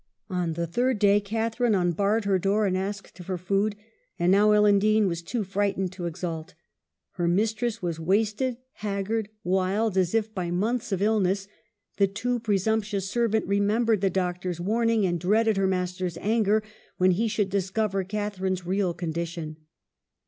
On the third day Catharine un barred her door and asked for food ; and now Ellen Dean was too frightened to exult. Her mistress was wasted, haggard, wild, as if by months of illness ; the too presumptuous ser vant remembered the doctor's warning, and dreaded her master's anger, when he should dis cover Catharine's real condition.